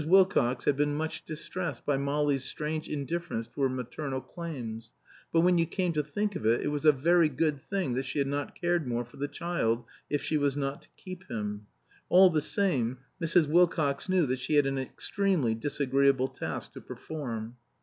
Wilcox had been much distressed by Molly's strange indifference to her maternal claims; but when you came to think of it, it was a very good thing that she had not cared more for the child, if she was not to keep him. All the same, Mrs. Wilcox knew that she had an extremely disagreeable task to perform.